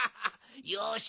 よし。